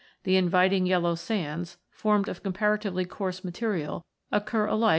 The inviting yellow sands, formed of comparatively coarse material, occur alike Fig.